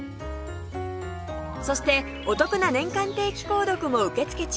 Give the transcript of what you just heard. そしてお得な年間定期購読も受け付け中